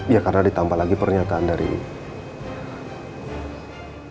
ya karena ditambah lagi pernyataan dari